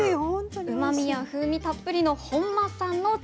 うまみや風味たっぷりの本間さんのチーズ。